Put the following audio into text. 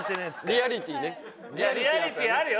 リアリティーあるよ。